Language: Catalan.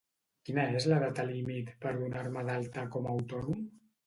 Quina és la data límit per donar-se d'alta com a autònom?